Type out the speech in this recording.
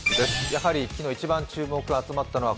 やはり昨日一番注目が集まったのは